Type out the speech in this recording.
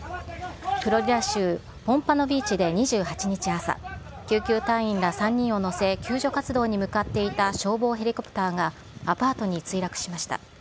フロリダ州ポンパノビーチで２８日朝、救急隊員ら３人を乗せ、救助活動に向かっていた消防ヘリコプターがアパートに墜落しました。